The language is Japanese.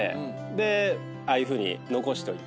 でああいうふうに残しといて。